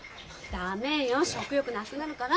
駄目よ食欲なくなるから。